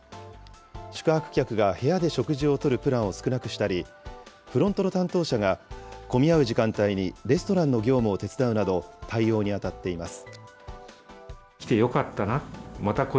宿泊客が部屋で食事をとるプランを少なくしたり、フロントの担当者が、混み合う時間帯にレストランの業務を手伝うなど、対応に当たっています。